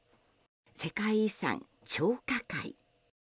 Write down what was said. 世界遺産・張家界。